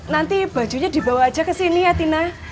nanti bajunya dibawa aja ke sini ya tina